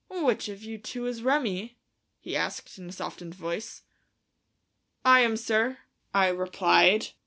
"Which of you two is Remi?" he asked, in a softened voice. "I am, sir," I replied.